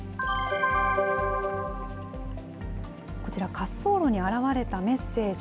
こちら、滑走路に現れたメッセージ。